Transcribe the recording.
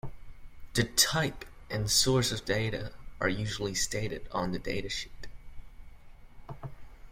The type and source of data are usually stated on the datasheet.